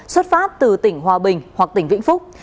xuất phát từ tỉnh hòa bình hoặc tỉnh vĩnh phúc